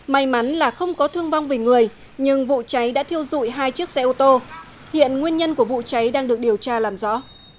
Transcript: may mắn là không có thương vong về người nhưng vụ cháy đã thiêu dụi hai chiếc xe ô tô hiện nguyên nhân của vụ cháy đang được điều tra làm rõ